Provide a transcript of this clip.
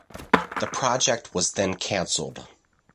The project was then cancelled.